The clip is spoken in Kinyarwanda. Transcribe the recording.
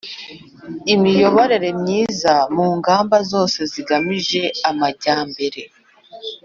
imiyoborere myiza mu ngamba zose zigamije amajyambere.